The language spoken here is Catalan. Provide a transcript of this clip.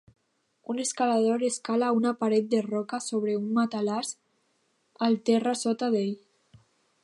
un escalador escala una paret de roca sobre un matalàs al terra sota d'ell.